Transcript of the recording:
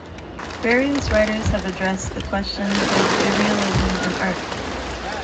Various writers have addressed the question of Irrealism in Art.